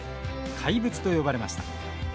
怪物と呼ばれました。